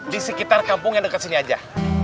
di sekitar kampung yang dekat sini aja